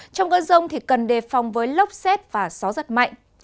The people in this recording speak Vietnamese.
trong cơn rông thì cần đề phòng với lốc xét và só rất mạnh